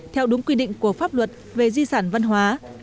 theo đúng quy định của pháp luật về di sản văn hóa